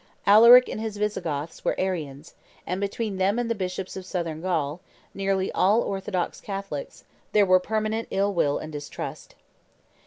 Alaric and his Visigoths were Arians, and between them and the bishops of Southern Gaul, nearly all orthodox Catholics, there were permanent ill will and distrust.